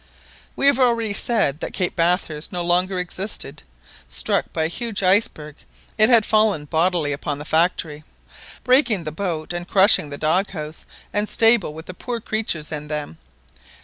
We have already said that Cape Bathurst no longer existed. Struck by a huge iceberg it had fallen bodily upon the factory, breaking the boat and crushing the dog house and stable with the poor creatures in them.